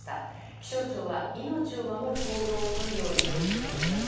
気象庁は命を守る行動をとるように呼び掛けています。